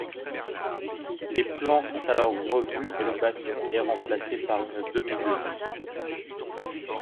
Les plans sont alors revus et le bastion est remplacé par une demi-lune.